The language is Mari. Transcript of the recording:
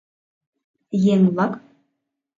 — Еҥ-влак!